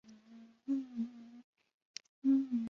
由美国亚利桑那大学的天文化学家。